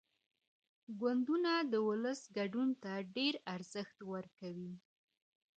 ګوندونه د ولس ګډون ته ډېر ارزښت ورکوي.